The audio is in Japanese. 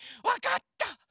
わかった！